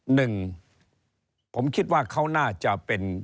หนึ่งผมคิดว่าเขาน่าจะเป็น